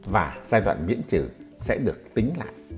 và giai đoạn miễn trừ sẽ được tính lại